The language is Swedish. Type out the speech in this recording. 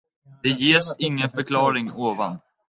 Det ges ingen förklaring ovan.